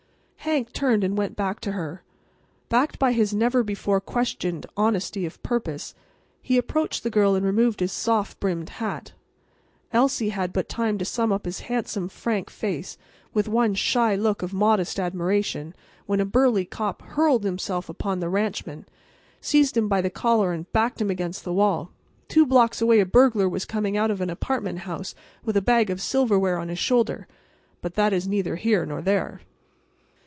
Hank turned and went back to her. Backed by his never before questioned honesty of purpose, he approached the girl and removed his soft brimmed hat. Elsie had but time to sum up his handsome frank face with one shy look of modest admiration when a burly cop hurled himself upon the ranchman, seized him by the collar and backed him against the wall. Two blocks away a burglar was coming out of an apartment house with a bag of silverware on his shoulder; but that is neither here nor there.